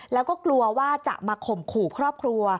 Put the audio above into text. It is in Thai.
แล้วก็กลัวว่าจะมาข่มขู่ครอบครัว